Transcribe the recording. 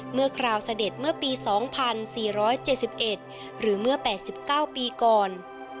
คราวเสด็จเมื่อปี๒๔๗๑หรือเมื่อ๘๙ปีก่อน